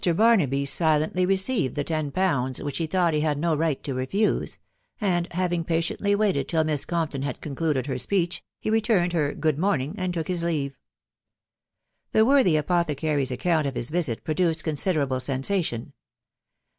Barnaby silently received the ten potfads, which he thought he had no right to refuse; and, having patiently waited till Miss Compton had concluded her speech, he re* turned her " good morning/' and took his leave. The worthy apothecary's account of his visit produced con siderable sensation.